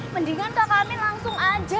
mendingan kak amin langsung aja